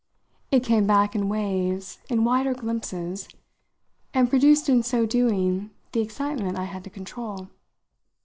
It came back in waves, in wider glimpses, and produced in so doing the excitement I had to control.